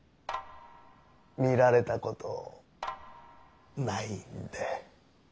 見られたことないんで。